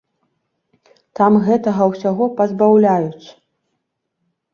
Там гэтага ўсяго пазбаўляюць.